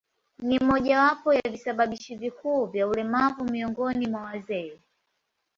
Ni mojawapo ya visababishi vikuu vya ulemavu miongoni mwa wazee.